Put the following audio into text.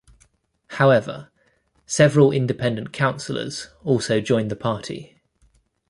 However several independent councillors also joined the party.